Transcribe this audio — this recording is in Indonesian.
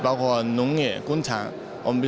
bahkan di sisi sumber